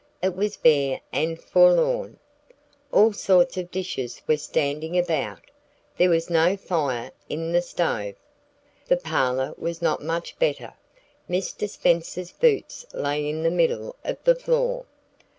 It was bare and forlorn. All sorts of dishes were standing about. There was no fire in the stove. The parlor was not much better. Mr. Spenser's boots lay in the middle of the floor.